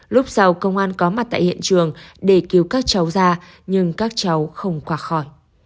lúc sau công an có mặt tại hiện trường để cứu các cháu ra nhưng các cháu không qua khỏi